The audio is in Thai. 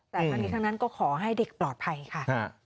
แต่ทั้งนั้นก็ขอให้เด็กปลอดภัยค่ะ